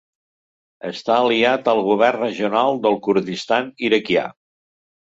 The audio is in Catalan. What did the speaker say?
Està aliat al govern regional del Kurdistan Iraquià.